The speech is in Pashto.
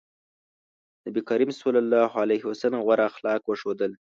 نبي کريم ص غوره اخلاق وښودل.